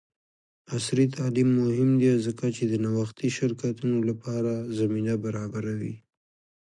عصري تعلیم مهم دی ځکه چې د نوښتي شرکتونو لپاره زمینه برابروي.